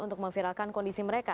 untuk memviralkan kondisi mereka